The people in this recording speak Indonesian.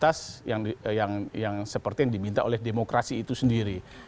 pelasanan pemilu ini supaya itu tadi berkualitas yang yang sepertinya diminta oleh demokrasi itu sendiri